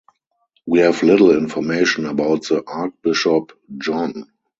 We have little information about the Archbishop John.